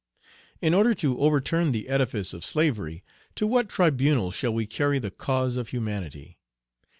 In order to overturn the edifice of slavery, to what tribunal shall we carry the cause of humanity?